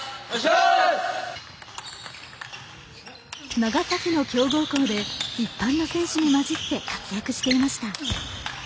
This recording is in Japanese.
長崎の強豪校で一般の選手に交じって活躍していました。